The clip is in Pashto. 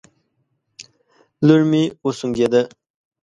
لور مې وسونګېده